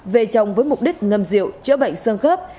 về trồng với mục đích ngâm rượu chữa bệnh sương khớp